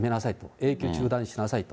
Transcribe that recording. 永久中断しなさいと。